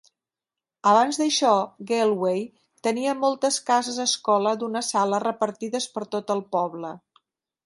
Abans d'això, Galway tenia moltes cases escola d'una sala repartides per tot el poble.